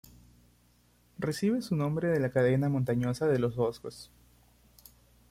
Recibe su nombre de la cadena montañosa de los Vosgos.